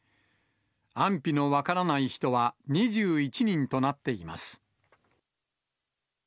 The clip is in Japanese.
安否の分からない人は２１人となっています。